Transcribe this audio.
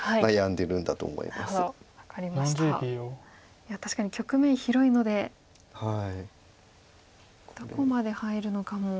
いや確かに局面広いのでどこまで入るのかも。